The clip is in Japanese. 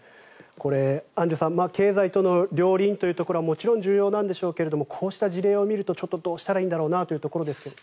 これ、アンジュさん経済との両輪というところはもちろん重要なんでしょうけどこういう事例を見たらどうしたらいいかということなんですが。